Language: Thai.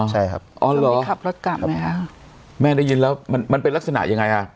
ใช่ครับอ๋อเหรอขับรถกลับไหมคะแม่ได้ยินแล้วมันมันเป็นลักษณะยังไงอ่ะ